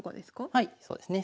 はいそうですね。